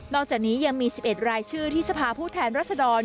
อกจากนี้ยังมี๑๑รายชื่อที่สภาผู้แทนรัศดร